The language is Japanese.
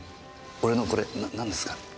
俺のこれ何ですか？